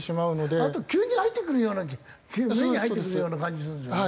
あと急に入ってくるような目に入ってくるような感じするんですよね。